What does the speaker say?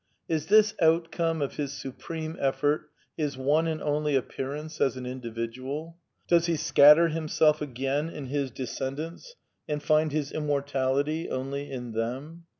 Is this outcome of his supreme effort his one and only ap pearance as an individual ? Does he scatter himself again in his descendants and find his immortality only in them